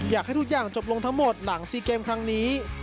อยากให้ทุกอย่างจบลงทั้งหมดหลัง๔เกมครั้งนี้